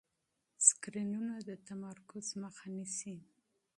سکرینونه د تمرکز مخه نیسي.